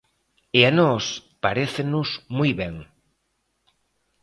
E a nós parécenos moi ben.